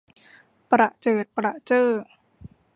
ประเจิดประเจ้อ